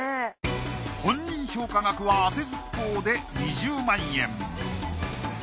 本人評価額はあてずっぽうで２０万円。